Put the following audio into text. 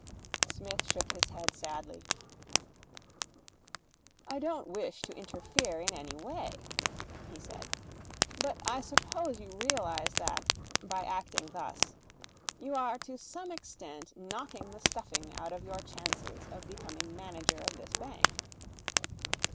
Psmith shook his head sadly. 'I don't wish to interfere in any way,' he said, 'but I suppose you realize that, by acting thus, you are to some extent knocking the stuffing out of your chances of becoming manager of this bank?